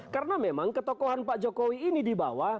karena memang ketokohan pak jokowi ini dibawa